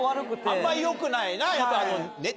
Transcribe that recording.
あんまり良くないな。